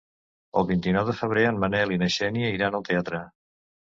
El vint-i-nou de febrer en Manel i na Xènia iran al teatre.